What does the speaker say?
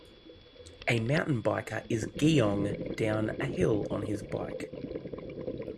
A mountain biker is giong down a hill on his bike.